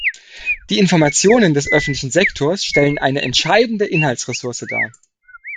Die Informationen des öffentlichen Sektors stellen eine entscheidende Inhaltsressource dar.